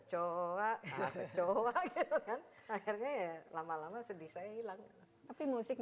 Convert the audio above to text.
saat dulu mana di nasional herceg